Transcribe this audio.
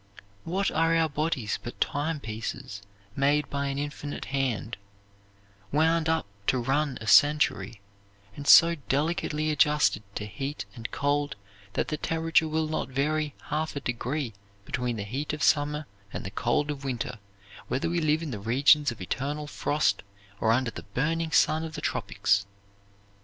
What are our bodies but timepieces made by an Infinite Hand, wound up to run a century, and so delicately adjusted to heat and cold that the temperature will not vary half a degree between the heat of summer and the cold of winter whether we live in the regions of eternal frost or under the burning sun of the tropics?